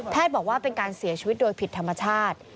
บอกว่าเป็นการเสียชีวิตโดยผิดธรรมชาติ